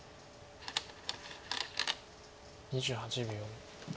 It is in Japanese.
２８秒。